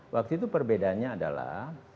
waktu itu perbedaannya adalah